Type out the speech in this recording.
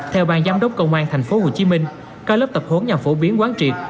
theo bang giám đốc công an tp hcm các lớp tập huấn nhằm phổ biến quán triệt